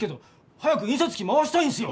早く印刷機回したいんすよ！